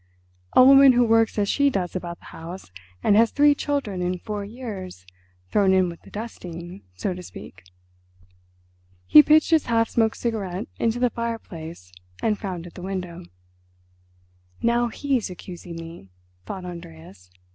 A woman who works as she does about the house and has three children in four years thrown in with the dusting, so to speak!" He pitched his half smoked cigarette into the fireplace and frowned at the window. "Now he's accusing me," thought Andreas.